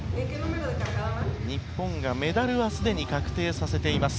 日本がメダルはすでに確定させています。